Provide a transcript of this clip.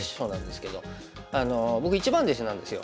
僕一番弟子なんですよ。